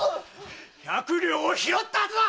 百両を拾ったはずだ！